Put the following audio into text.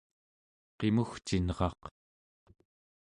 qimugcinraq